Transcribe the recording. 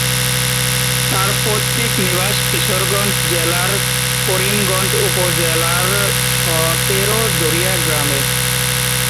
তার পৈত্রিক নিবাস কিশোরগঞ্জ জেলার করিমগঞ্জ উপজেলার সতেরো দরিয়া গ্রামে।